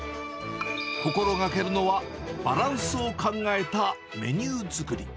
心がけるのは、バランスを考えたメニュー作り。